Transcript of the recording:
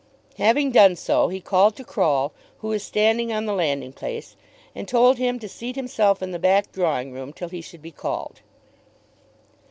Having done so, he called to Croll, who was standing on the landing place, and told him to seat himself in the back drawing room till he should be called.